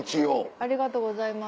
ありがとうございます。